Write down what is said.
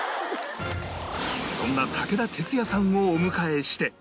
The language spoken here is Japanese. そんな武田鉄矢さんをお迎えして